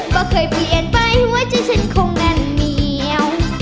ก็เคยเปลี่ยนไปหัวใจฉันคงแน่นเหนียว